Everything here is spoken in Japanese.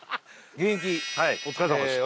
現役お疲れさまでした。